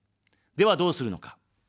では、どうするのか。